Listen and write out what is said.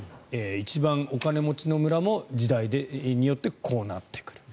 一番お金持ちの村も時代によってこうなってくる。